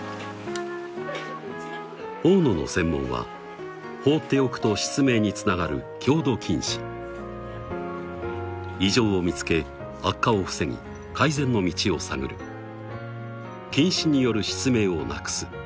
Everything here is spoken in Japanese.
大野の専門は放っておくと失明につながる異常を見つけ悪化を防ぎ改善の道を探る「近視による失明をなくす」